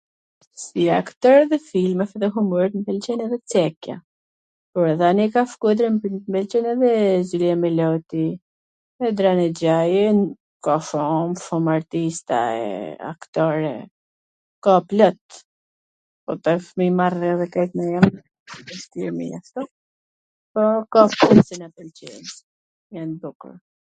si aktor pwr filma edhe humor mw pwlqen edhe Cekja, por dhe anej nga Shkodra mw pwlqen edhe Zeliha Miloti, edhe Drane Xhajwn, ka shum shum artista e aktor e, ka plot, po tash me i marr edhe krejt me emwn ... po ka shum filma qw na pwlqejn...